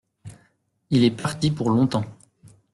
Il est parti pour longtemps.